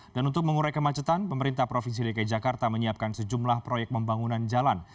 dan untuk mengurai kemacetan pemerintah provinsi lekai jakarta menyiapkan sejumlah proyek membangunan jalan